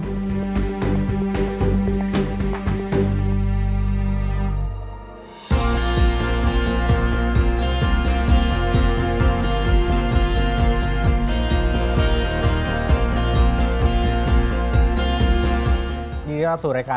สวัสดีรับรับสู่รายการ